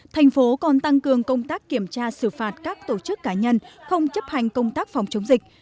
thành phố còn tăng cường công tác kiểm tra xử phạt các tổ chức cá nhân không chấp hành công tác phòng chống dịch